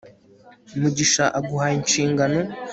Mugisha aguhaye ishingano